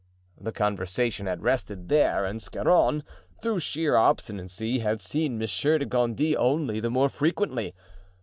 The conversation had rested there and Scarron, through sheer obstinacy, had seen Monsieur de Gondy only the more frequently.